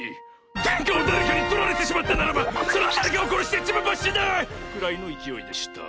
「殿下を誰かに取られてしまったならばその誰かを殺して自分も死ぬ！」くらいの勢いでした。